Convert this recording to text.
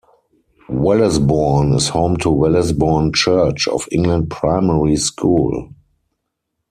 Wellesbourne is home to Wellesbourne Church of England primary school.